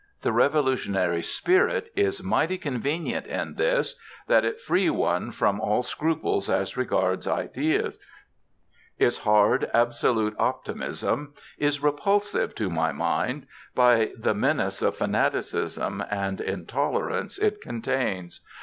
The revolutionary spirit is mighty convenient in this, that it frees one from all scruples as regards ideas. Its hard, absolute optimism is repulsive to my mind by the menace of fanaticism and intolerance it contains.